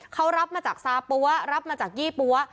เขารับมาจากซาปั๊วรับมาจากยี่ปั๊ว